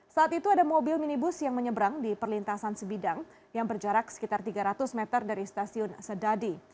saat itu ada mobil minibus yang menyeberang di perlintasan sebidang yang berjarak sekitar tiga ratus meter dari stasiun sedadi